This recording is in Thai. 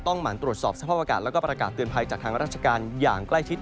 หมั่นตรวจสอบสภาพอากาศแล้วก็ประกาศเตือนภัยจากทางราชการอย่างใกล้ชิด